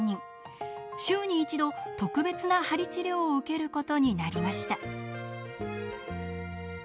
週に１度特別な鍼治療を受けることになりました。